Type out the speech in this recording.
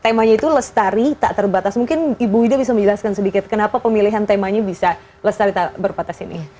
temanya itu lestari tak terbatas mungkin ibu ida bisa menjelaskan sedikit kenapa pemilihan temanya bisa lestari berbatas ini